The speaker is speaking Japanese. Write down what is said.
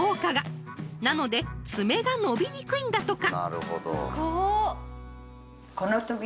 なので爪が伸びにくいんだとか］